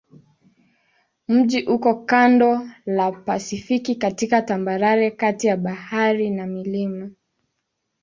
Mji uko kando la Pasifiki katika tambarare kati ya bahari na milima.